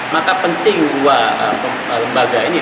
maka penting dua lembaga ini